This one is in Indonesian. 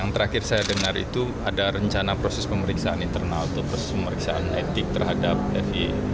yang terakhir saya dengar itu ada rencana proses pemeriksaan internal atau proses pemeriksaan etik terhadap f y